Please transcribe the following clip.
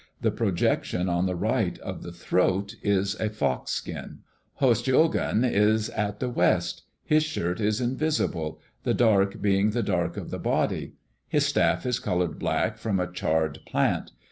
The projection on the right of the throat is a fox skin. Hostjoghon is at the west. His shirt is invisible, the dark being the dark of the body. His staff is colored black from a charred plant.